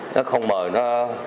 nó không mời nó